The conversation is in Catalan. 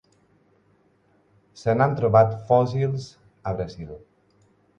Se n'han trobat fòssils al Brasil.